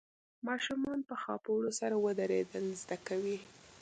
ماشومان په خاپوړو سره ودرېدل زده کوي.